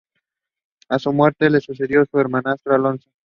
A su muerte le sucedió su hermanastro Alonso.